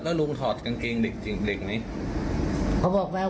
แล้วลุงถอดเพื่ออะไร